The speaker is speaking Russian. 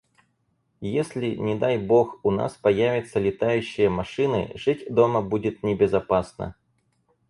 Если, не дай бог, у нас появятся летающие машины, жить дома будет небезопасно.